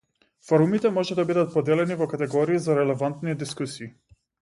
Форумите може да бидат поделени во категории за релевантни дискусии.